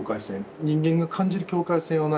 人間が感じる境界線は何かっていう。